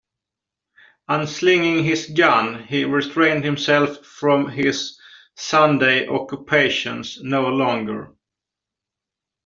Unslinging his gun, he restrained himself from his Sunday occupations no longer.